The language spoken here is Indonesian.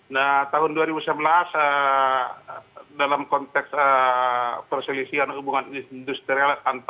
nah tahun dua ribu sebelas dalam konteks perselisihan hubungan industrial